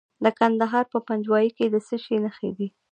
د کندهار په پنجوايي کې د څه شي نښې دي؟